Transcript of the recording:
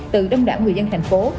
từ đông đảo người dân thành phố